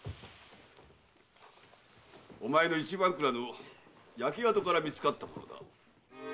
お前の一番蔵の焼け跡から見つかった物だ。